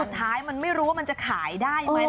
สุดท้ายมันไม่รู้ว่ามันจะขายได้ไหมล่ะ